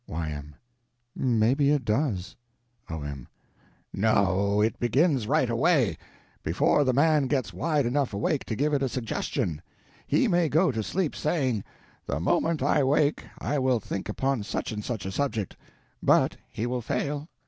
Y.M. Maybe it does. O.M. No, it begins right away, before the man gets wide enough awake to give it a suggestion. He may go to sleep saying, "The moment I wake I will think upon such and such a subject," but he will fail.